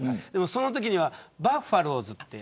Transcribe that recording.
そのときにはバッファローズって。